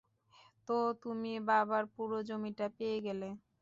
তো তুমি বাবার পুরো জমিটা পেয়ে গেলে।